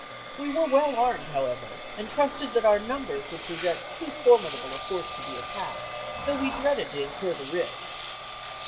We were well armed, however, and trusted that our numbers would present too formidable a force to be attacked, though we dreaded to incur the risk.